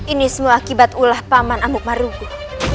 ini semua akibat ulah paman amuk maruku